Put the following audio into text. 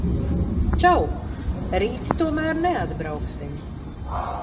Čau! Rīt tomēr neatbrauksim.